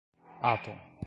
atom